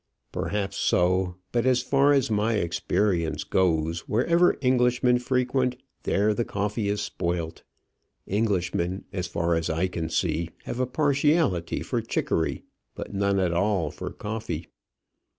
"Perhaps so; but as far as my experience goes, wherever Englishmen frequent, there the coffee is spoilt. Englishmen, as far as I can see, have a partiality for chicory, but none at all for coffee."